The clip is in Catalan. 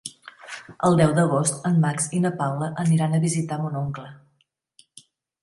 El deu d'agost en Max i na Paula aniran a visitar mon oncle.